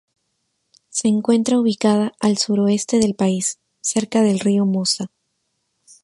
Se encuentra ubicada al sureste del país, cerca del río Mosa.